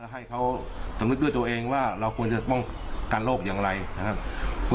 ให้เขาสำนึกด้วยตัวเองว่าเราควรจะป้องกันโรคอย่างไรนะครับ